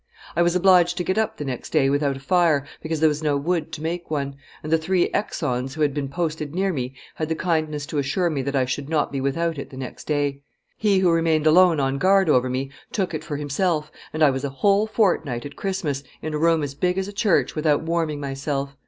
I was obliged to get up the next day without a fire, because there was no wood to make one, and the three exons who had been posted near me had the kindness to assure me that I should not be without it the next day. He who remained alone on guard over me took it for himself, and I was a whole fortnight, at Christmas, in a room as big as a church, without warming myself.